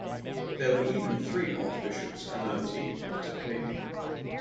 There were even three Archbishops Emeriti of Taipei.